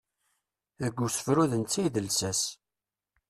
Deg usefru d netta ay d lsas.